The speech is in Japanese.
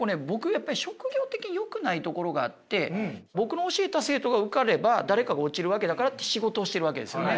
やっぱり職業的によくないところがあって僕の教えた生徒が受かれば誰かが落ちるわけだからって仕事をしてるわけですよね。